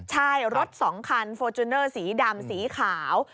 ใช่รถ๒คันฟอร์จูเนอร์สีดำสีขาว